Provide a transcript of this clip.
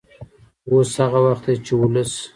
اوس هغه وخت دی چې ولس